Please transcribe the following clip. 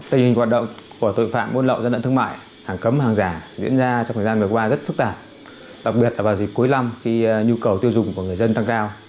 tình hình hoạt động của tội phạm buôn lậu gian lận thương mại hàng cấm hàng giả diễn ra trong thời gian vừa qua rất phức tạp đặc biệt là vào dịp cuối năm khi nhu cầu tiêu dùng của người dân tăng cao